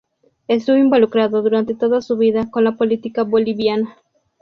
Estuvo involucrado durante toda su vida con la política boliviana.